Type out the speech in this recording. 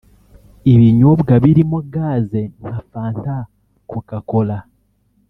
Ibinyobwa birimo gaz nka Fanta coca cola